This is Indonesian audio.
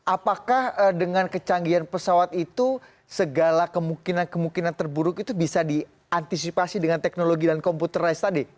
apakah dengan kecanggihan pesawat itu segala kemungkinan kemungkinan terburuk itu bisa diantisipasi dengan teknologi dan computerized tadi